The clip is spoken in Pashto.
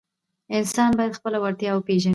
انسان باید خپله وړتیا وپیژني.